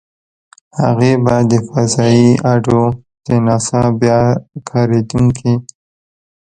هغې به د فضايي اډو - د ناسا بیا کارېدونکې.